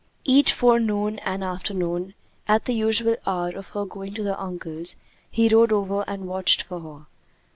Each forenoon and afternoon, at the usual hour of her going to her uncle's, he rode over and watched for her.